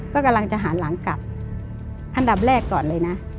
ก็กำลังจะหันหลังกลับอันดับแรกก่อนเลยนะ